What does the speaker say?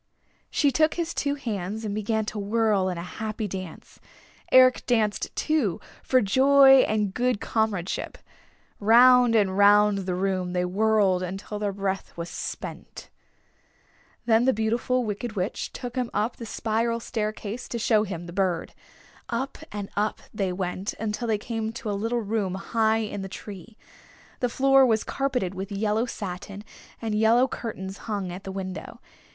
She took his two hands and began to whirl in a happy dance. Eric danced, too, for joy and good comradeship. Round and round the room they whirled until their breath was spent. Then the Beautiful Wicked Witch took him up the spiral staircase to show him the bird. Up and up they went, until they came to a little room high in the tree. The floor was carpeted with yellow satin, and yellow curtains hung at the window.